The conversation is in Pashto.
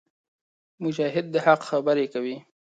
مجاهد د حق خبرې کوي.